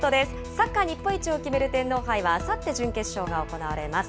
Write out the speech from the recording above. サッカー日本一を決める天皇杯は、あさって準決勝が行われます。